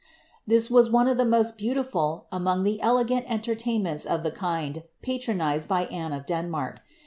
This was one of the most beautiful among the elegant entertainments of the kind patronised by Anne of Denmark.